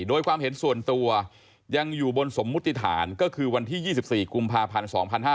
โดยความเห็นส่วนตัวยังอยู่บนสมมุติฐานก็คือวันที่๒๔กุมภาพันธ์๒๕๕๙